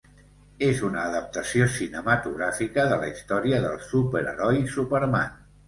És una adaptació cinematogràfica de la història del superheroi Superman.